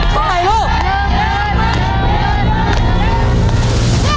เท่าไหร่ลูก